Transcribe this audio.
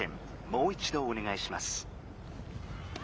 もう一どおねがいします」。